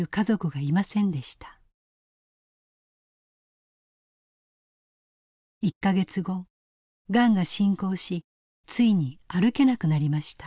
がんが進行しついに歩けなくなりました。